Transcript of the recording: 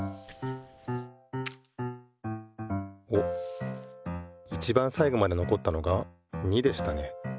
おっいちばんさいごまでのこったのが２でしたね。